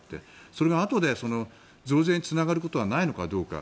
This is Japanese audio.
それがあとで増税につながることはないのかどうか。